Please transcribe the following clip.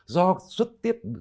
do xuất tiết